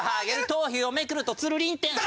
「頭皮をめくるとつるりんてん」